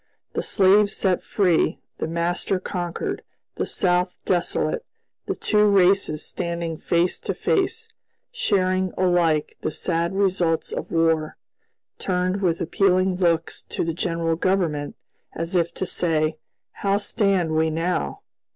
The slaves set free, the master conquered, the South desolate; the two races standing face to face, sharing alike the sad results of war, turned with appealing looks to the general government, as if to say, "How stand we now?"